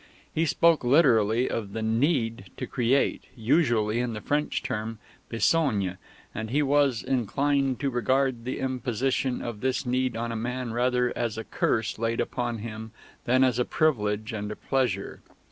He spoke literally of the "need" to create, usually in the French term, besogne; and he was inclined to regard the imposition of this need on a man rather as a curse laid upon him than as a privilege and a pleasure.